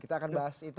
kita akan bahas itu